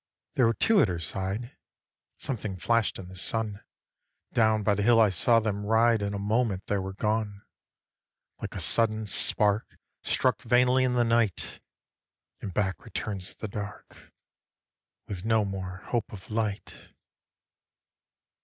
There were two at her side, Something flash' d in the sun, Down by the hill I saw them ride, In a moment they were gone: Like a sudden spark Struck vainly in the night, And back returns the dark With no more hope of light.